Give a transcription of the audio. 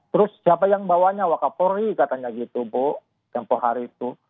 terus siapa yang bawanya wakapori katanya gitu bu tempoh hari itu